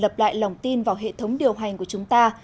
phải lòng tin vào hệ thống điều hành của chúng ta